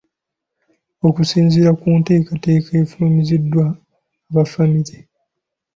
Okusinziira ku nteekateeka efulumiziddwa aba famire.